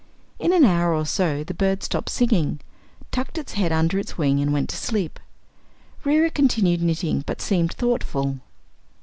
In an hour or so the bird stopped singing, tucked its head under its wing and went to sleep. Reera continued knitting but seemed thoughtful.